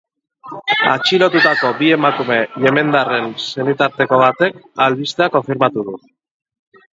Atxilotutako bi emakume yemendarren senitarteko batek albistea konfirmatu du.